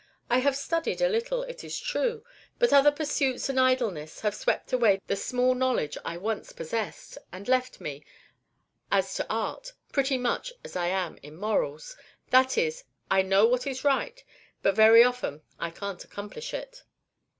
I have studied a little, it is true; but other pursuits and idleness have swept away the small knowledge I once possessed, and left me, as to art, pretty much as I am in morals, that is, I know what is right, but very often I can't accomplish it."